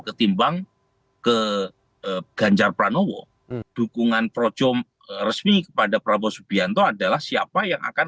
ketimbang ke ganjar pranowo dukungan projo resmi kepada prabowo subianto adalah siapa yang akan